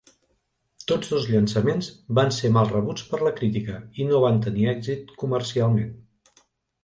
Tots dos llançaments van ser mal rebuts per la crítica i no van tenir èxit comercialment.